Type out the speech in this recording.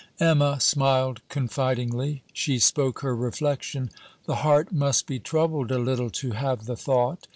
Emma smiled confidingly. She spoke her reflection: 'The heart must be troubled a little to have the thought.